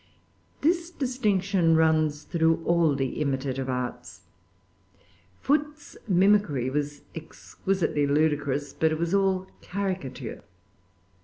[Pg 382] This distinction runs through all the imitative arts. Foote's mimicry was exquisitely ludicrous, but it was all caricature.